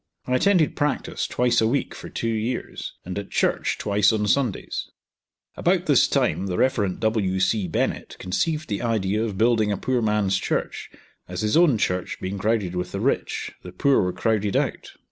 I attended practice twice a week for two years, and at church twice on Sundays. About this time the Rev. W. C. Bennett conceived the idea of building a poor man's church, as his own church being crowded with the rich, the poor were crowded out.